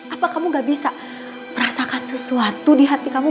apa kamu gak bisa merasakan sesuatu di hati kamu